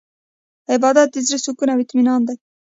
عبادت د زړه سکون او اطمینان دی.